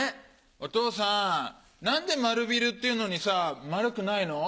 お父さん何で「丸ビル」っていうのにさ丸くないの？